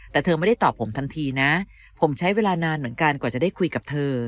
แต่เธอไม่ได้ตอบผมทันทีนะผมใช้เวลานานเหมือนกันกว่าจะได้คุยกับเธอ